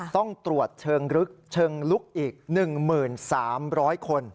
ต้องตรวจเชิงลุกอีก๑หมื่น๓๐๐คน